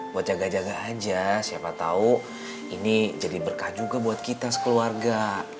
buat jaga jaga aja siapa tahu ini jadi berkah juga buat kita sekeluarga